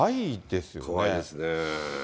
怖いですね。